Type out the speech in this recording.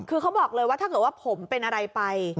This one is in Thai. คือเขาบอกเลยว่าถ้าเกิดว่าผมเป็นอะไรไป